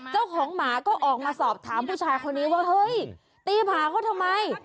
เจ้าของหมาก็ออกมาสอบถามผู้ชายคนนี้ว่าเฮ้ยตีผาเขาทำไม